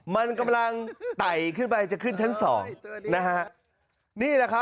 มันกำลังไต่จะขึ้นชั้นสอง